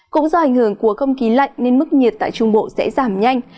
cũng do ảnh hưởng của không khí lạnh nên mức nhiệt tại trung bộ sẽ giảm nhanh